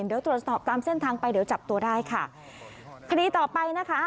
เดี๋ยวตรวจสอบตามเส้นทางไปเดี๋ยวจับตัวได้ค่ะคดีต่อไปนะคะ